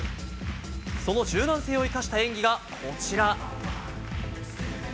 その柔軟性を生かした演技がこちら。